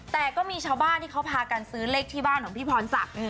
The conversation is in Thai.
แต่ก็มีชาวบ้านที่เขาพากันซื้อเลขที่บ้านของพี่พรศักดิ์